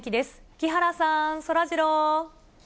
木原さん、そらジロー。